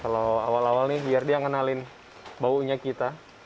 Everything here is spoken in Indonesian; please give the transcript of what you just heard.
kalau awal awal nih biar dia ngenalin baunya kita